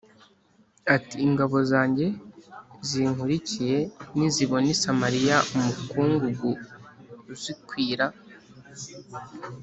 ati “Ingabo zanjye zinkurikiye nizibona i Samariya umukungugu uzikwira